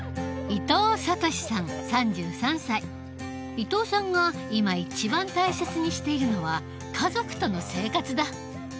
伊藤さんが今一番大切にしているのは家族との生活だ。